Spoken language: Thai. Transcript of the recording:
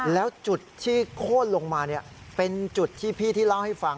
แล้วจุดที่โค้นลงมาเป็นจุดที่พี่ที่เล่าให้ฟัง